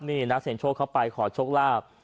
นี่นักเสียงโชคเข้าไปขอโชคลาภ